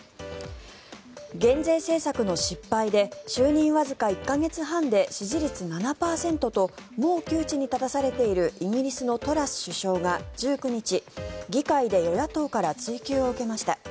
減税政策の失敗で就任わずか１か月半で支持率７％ともう窮地に立たされているイギリスのトラス首相が１９日議会で与野党から追及を受けました。